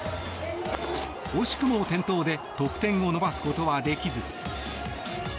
惜しくも転倒で得点を伸ばすことはできず。